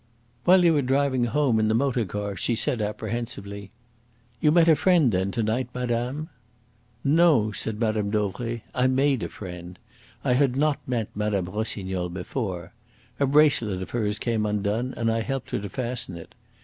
While they were driving home in the motor car she said apprehensively: "You met a friend then, to night, madame?" "No," said Mme. Dauvray; "I made a friend. I had not met Mme. Rossignol before. A bracelet of hers came undone, and I helped her to fasten it.